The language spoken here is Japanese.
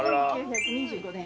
１９２５年。